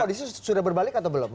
kondisi sudah berbalik atau belum